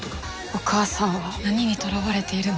お母さんは何にとらわれているの？